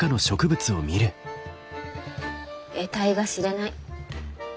えたいが知れない。